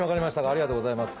ありがとうございます。